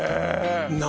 何